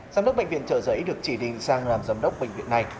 giám đốc bệnh viện trợ giấy được chỉ định sang làm giám đốc bệnh viện này